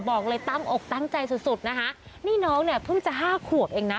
บอกเลยตั้งอกตั้งใจสุดสุดนะคะนี่น้องเนี่ยเพิ่งจะห้าขวบเองนะ